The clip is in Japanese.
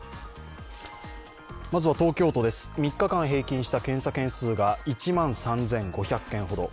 まずは東京都です、３日間平均した検査件数が１万３５００件ほど。